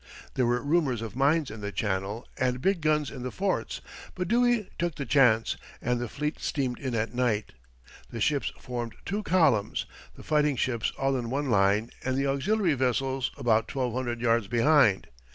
There were rumours of mines in the channel and big guns in the forts, but Dewey took the chance, and the fleet steamed in at night. The ships formed two columns, the fighting ships all in one line, and the auxiliary vessels about twelve hundred yards behind.